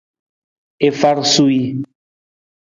I far suwii.